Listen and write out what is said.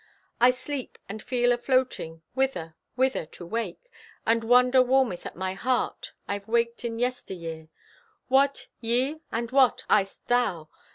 I sleep, and feel afloating. Whither! Whither! To wake,— And wonder warmeth at my heart, I've waked in yester year! What! Ye? And what! I'st thou?